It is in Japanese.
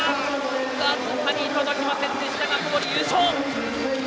僅かに届きませんでしたが小堀、優勝！